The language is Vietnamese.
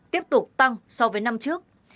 tiếp tục tăng so với năm trước